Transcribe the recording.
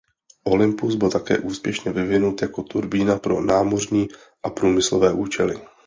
Olympus byl také úspěšně vyvinut jako turbína pro námořní a průmyslové účely.